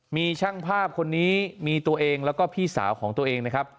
มีช่างภาพคนนี้มีตัวเองแล้วก็พี่สาวของตัวเองนะครับ